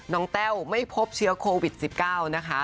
แต้วไม่พบเชื้อโควิด๑๙นะคะ